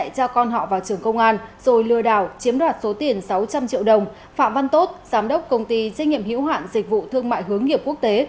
phan tốt giám đốc công ty trách nhiệm hiểu hạn dịch vụ thương mại hướng nghiệp quốc tế